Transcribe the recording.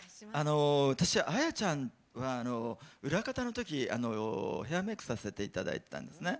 私、亜矢ちゃん裏方のときヘアメークさせていただいていたんですよね。